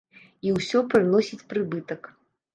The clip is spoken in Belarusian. І ўсё прыносіць прыбытак.